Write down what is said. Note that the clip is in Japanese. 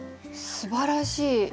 すばらしい。